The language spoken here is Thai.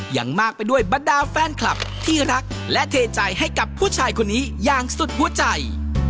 อย่างมากไปด้วยบรรดาแฟนคลับที่รักและเทใจให้กับผู้ชายคนนี้อย่างสุดหัวใจ